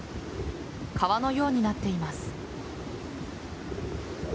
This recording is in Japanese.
川のようになっています。